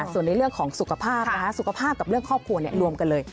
ส่วนในเรื่องของสุขภาพนะคะสุขภาพกับเรื่องครอบครัวรวมกันเลย